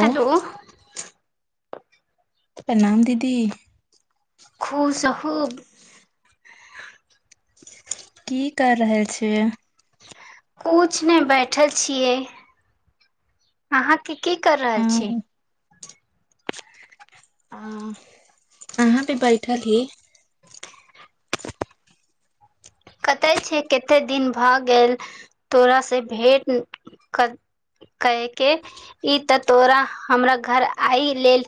hello प्रणाम दीदी खूश खूब की कर रहल छियै कुछ नहि बैठल छियै अहाँके कि की कर रहल छी आ अहा भी बैठल ही कते छै कते दिन भए गेल तोरा से भेट कर कहयके ई तऽ तोरा हमरा घर आइ लेल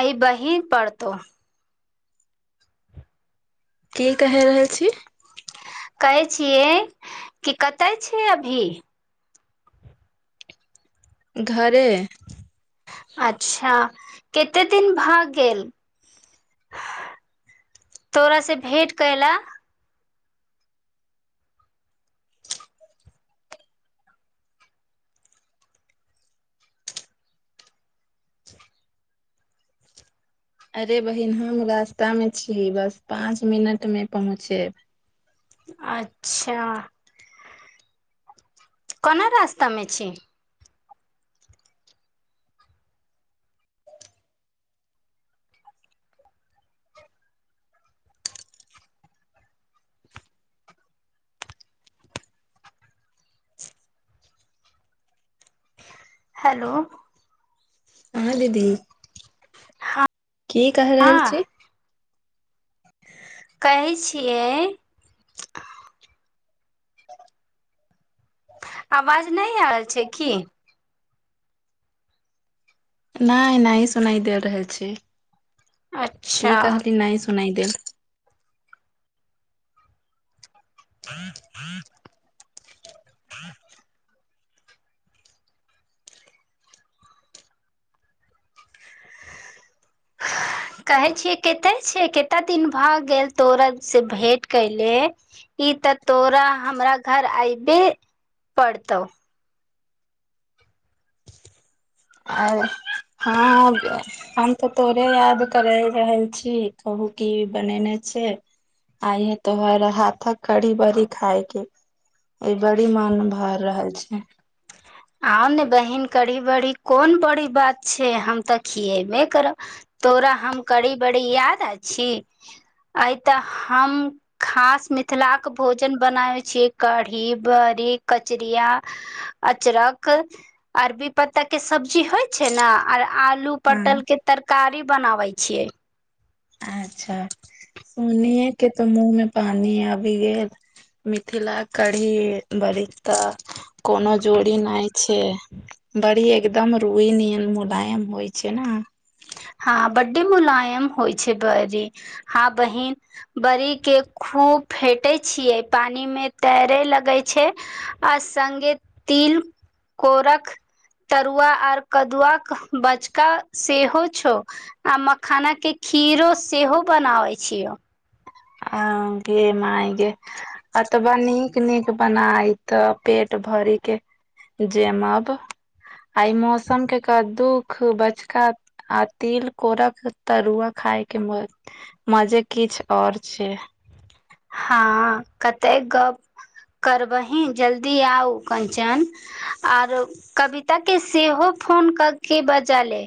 आइ बहिन पड़तौ की कहि रहल छी कहै छियै कि कतय छी अभी घरे अच्छा कते दिन भ गेल [inaudible] तोरा सँ भेंट करैला अरे बहिन हम रास्ता मे छी बस पाँच मिनट मे पहुँचेब अच्छा कोना रास्ता मे छीही हेलो हँ दीदी की कहि रहल छी हँ कहै छियै [inaudible] आवाज नहि आयल छै की नहि नहि सुनाइ देेल रहै छै [inaudible] की अच्छा कहली नहि सुना देेल [unintelligible] कहै छियै कते छ कतेक दिन भऽ गेल तोरत से भेंट कयले ई तऽ तोरा हमरा घर अयबे पड़तौ आर हँ [inaudible] हम तऽ तोरे याद करय रहल छी कहू की बनेने छियै आइ ये तोहर हाथक कड़ी बड़ी खाायके एहि बड़ी मन भ रहल छै आउ ने बहिन करी बड़ी कोन बड़ी बात छै हम तऽ खियेबै करब तोरा हम करड़ी बड़ी याद अ छी अ तऽ हम खास मिथिलाक के भोजन बनाबे छीयै कढ़ी बड़ी कचरिया [inaudible] अचरक अरबी पत्ता के सब्जी होइ छै ने आर आलू हाँ पटल के तरकारी बनाबै छियै अच्छा सुने के त मुँह मे पानी आबि गेल मिथिला कढ़ी बड़ी तऽ कोनो जोड़ी नहि छै बड़ी एकदम रूइ न मुलायम होइ छै न हँ बड्डे मुलायम होइ छै बरी हँ बहिन बड़ी के खूब फेटे छियै पानी में तैरे लगै छै आ सङगे तिल कोरक तरुआ आर कदुआ के बचका सेहो छौ आ मखाना के खीरो सेहो बनावै छियो हँ गे मायके अतबा नीक नीक बनाय त पेट भर के जेमब आ ई मौसम के क दुख बचका आ तिल कोरक तरुआ खायके म मजे किछु आओऔर छै हँ कते गप करबही जल्दी आउ कंचन आर कविता के सेहो फोन कऽ के बजाले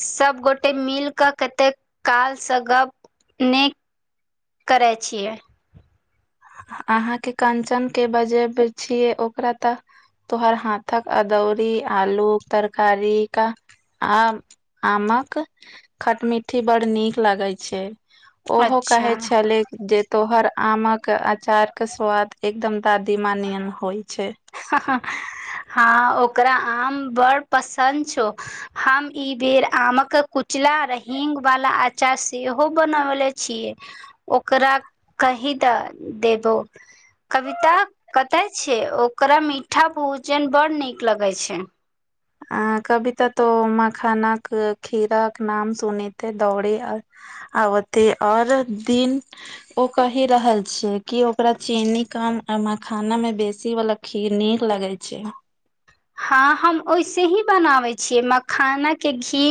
सबगोटे मिल कऽ कते काल स गप नेक करै छियै अहाँके कंचन के बजेब छियै ओकरा तऽ तो हर हाथ तक अदौरी आलू तरकारी का आ आमक खटमिट्ठी ब् नीक लागै छै ओहो कहै अच्छा छले जे तोहर आमक कऽ अचार केँ स्वाद एकदम दादी माँ नियन होइ छै हँ ओकरा आम बड़ पसन छौ हम ई बेर आमक कुचला र हींग वाला आचार सेहो बनौले छियै ओकरा कही दऽ देबो कविता कतै छै ओकरा मीठा भोजन बड़ नीक लगै छै अ कविता तो मखानाक खीर कऽ के नाम सुनेते दौड़े आ आबते आओर दिन ओ कहि रहल छैयै कि ओकरा चीनी काम मखाना मे बेसी वला खीर नीक लगै छै हँ हम ओैसे ही बनाबै छियै मखानके घी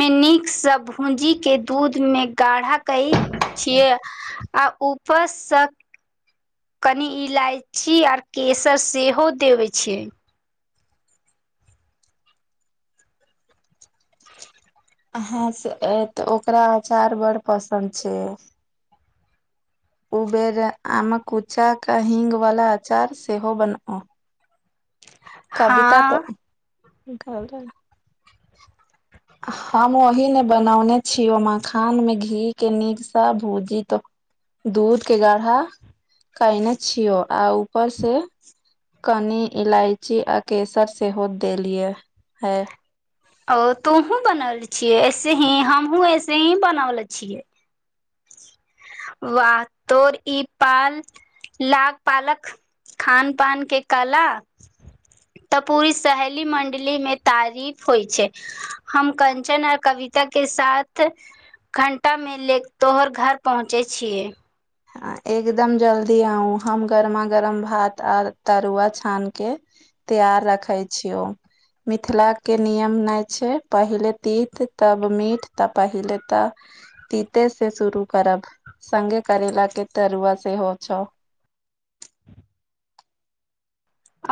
मे नीकसँ भूजी के दूध मे गाढ़ा कै छियै आ उप स कनि इलायची आर केसर सेहो देबै छियै [inaudible] [inaudible] ह से तऽ ओकरा अचार बड़ पसन्द छै उबेरे आमकुचाके हीङ्गवला अचार सेहो बनाउ कविता हँ तऽ कह हम ओही ने बनौने छियों ओ मखान मे घी के नीक सँ भूजित दूध के गाढ़ा कयने छियो आ ऊपर से कनी इलायची आ केसर सेहो देलियए है ओ तोहुँं बनौले छियै ऐसे ही हमहुं ऐसे ही बनौले छियै वाह तोर ई पाल लाग पालक खान पान के काला तऽ पूरी सहेली मंडली में तारीफ होय छै हम कञ्चन आ कवित के साथ घंटामे लेखतोर घर पर पहुँचै छियै एकदम जल्दी आउ हम गरमा गरम भात आर तरुआ छानि के तैयार रखै छियौ मिथिलाके नियम नहि छै पहिले तीत तब मीठ तऽ पहिले तऽ तीते से शुरू करब सगे करैला केँ तरुआ से हो छौअ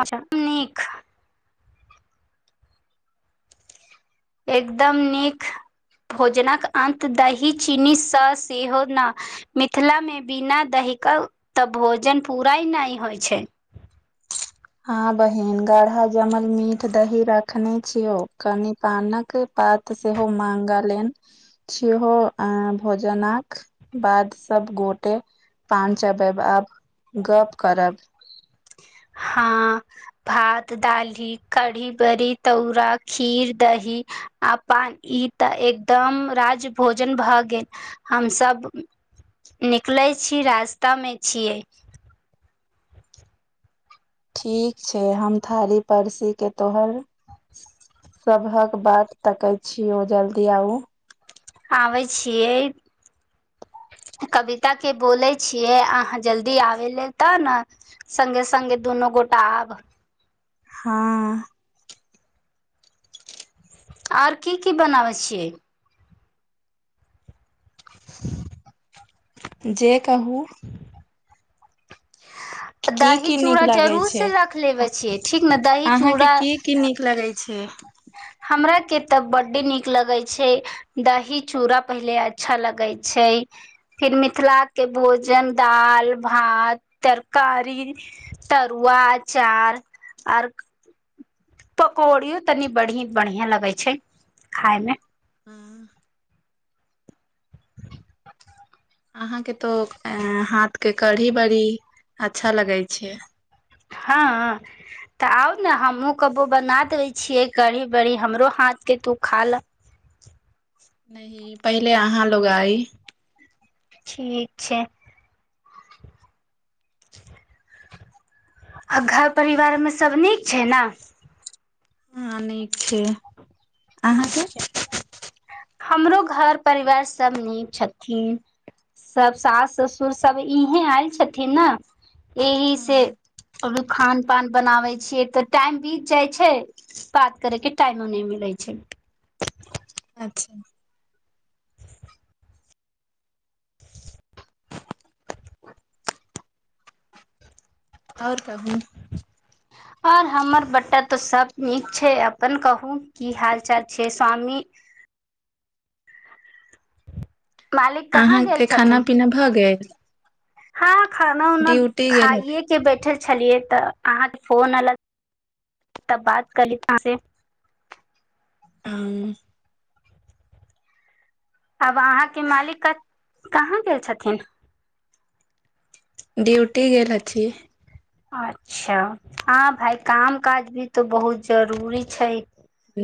अच्छा नीक एकदम नीक भोजनक अन्त दही चीनीसँ सेहो न मिथिला में बिना दहि क तऽ भोजन पूरा नहि होइ छै हँ बहिन गढ़ा जमल मीठ दही रखने छियौ कनि पानक पात सेहो मांगलानि सेहो अ भोजनाक बाद सब गोटे पान चब आब गप करब हँ भात दालीही कढ़ी बड़ी तौरा खीर दही अपन ई तऽ एकदम राज भोजन भए गेल हमसभ निकलै छी रास्तामे छियै ठीक छै हम थारी परिसीके तोहर सभक बात तकै छियौ जल्दी आउ खाबै छियै कविता के बोलै छियै अहाँ जल्दी आबै लेल तऽ न सङगे सङगे दुनो गोटाब हँ आर की की बनाबै छियै जे कहू [inaudible] की दही की नीक चूड़ा लगै जरूर छै से रख लेबे छियै ठीक ने दही अहाँके चूड़ा की की नीक लगै छै हमरा के तऽ बड्डे नीक लगे छै दही चूड़ा पहिले अच्छा लगै छै फिर मिथिला के भोजन दाल भात तरकारी तरुआ आचार आर पकौड़ियो तनि बढ़ी बढ़ियां लगे छै खाय मे हँ [unintelligible] अहां के तो हाथ के कढ़ी बड़ी अच्छा लगे छै हँ तऽ आउ ने हमहहुँ कबो बना दै छियै कड़ी बड़ी हमरो हाथ के तू खा ल नैहि पहिले अहाँ लोगा आइ ठीक छै आ घर परिवार मे सब नीक छै न आहँ नीक छी [unintelligible] हमरो घर परिवार सब नीक छथिन सब सास ससुर सब इहें आयल छथिन ने एहि हँ से अभी खान पान बनाबे छियै तऽ टाइम बीत जाइ छै पात करैके टाइमो नै मिलै छै अच्छा [inaudible] [inaudible] आओर केहु आओर हमर बटा तो सब नीक छै अपन कहू की हाल चाल छै स्वामी मालिक कहाँ गेल अहाँके खाना छथिन पीना भऽ गेल हँ खाना उना ड्यूटी गेल खाइए बैठल छलियै तऽ अहाँके फोन एल तऽ बात क [unintelligible] आ आब अहाँकेऊ मालिक कहाँ गेल छथिन डियुटी गेल हेथी अच्छा हँ भाइ काम काज भी तऽ बहुत जरूरी छै हु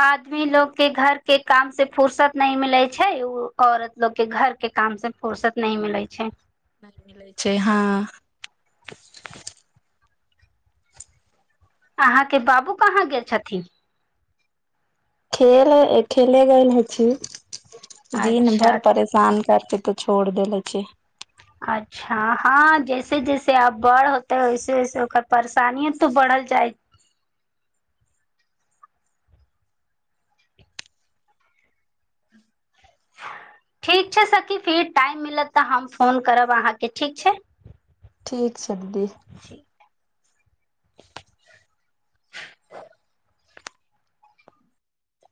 आदमी लोग के घर के काम से फुर्सत न मिले छै ओ औरत लोग के घर के काम से फुुरसत नहि मिलै छै नहि मिले छै हँ अहाँके बाबू कहाँ गेल छथिन खेल खेले गेल छी दिन अच्छा भरि परेश सान करके तऽ छोड़ देले छै अच्छा ह हँ जैसे जैसे आब बढ़ होतेै वैसे वैसे ओकर परेशानिय तो बढ़ल जाइ ठीक छै सखी फेर टाइम मिलत तऽ हम फोन करब अहाँके ठीक छै ठीक छै दीदी ठीक